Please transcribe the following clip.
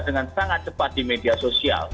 dengan sangat cepat di media sosial